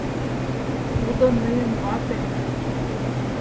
Тудо мыйын ватем!